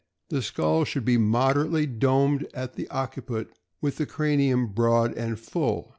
— The skull should be moderately domed at the occiput, with the cranium broad and full.